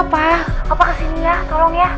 bapak kesini ya tolong ya